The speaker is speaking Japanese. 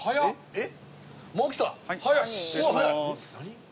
えっ！？